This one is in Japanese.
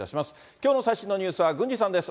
きょうの最新のニュースは郡司さんです。